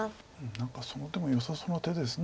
何かその手もよさそうな手です。